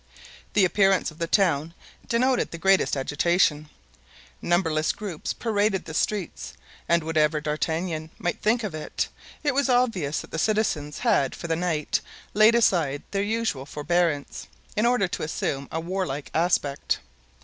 The appearance of the town denoted the greatest agitation. Numberless groups paraded the streets and, whatever D'Artagnan might think of it, it was obvious that the citizens had for the night laid aside their usual forbearance, in order to assume a warlike aspect.